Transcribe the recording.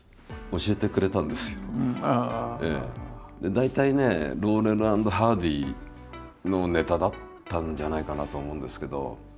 大体ねローレル＆ハーディーのネタだったんじゃないかなと思うんですけど。